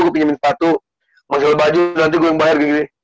gue pinjemin sepatu masukin baju nanti gue yang bayar